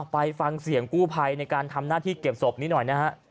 ไปฟังเสียงกู้ไภในการทำหน้าที่เก็บศพนิดหน่อย